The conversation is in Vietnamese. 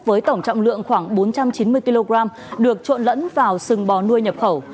với tổng trọng lượng khoảng bốn trăm chín mươi kg được trộn lẫn vào sừng bò nuôi nhập khẩu